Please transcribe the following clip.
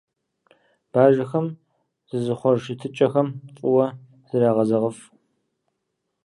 Бажэхэм зызыхъуэж щытыкӏэхэм фӀыуэ зрагъэзэгъыф.